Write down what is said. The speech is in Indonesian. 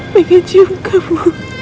pengen cium kamu